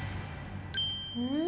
うん？